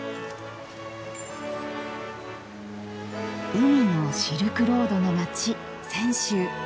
海のシルクロードの街泉州。